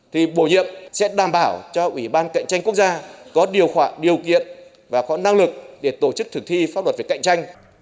thì bổ nhiệm sẽ đảm bảo cho ủy ban cạnh tranh quốc gia có điều khoản điều kiện và có năng lực để tổ chức thực thi pháp luật về cạnh tranh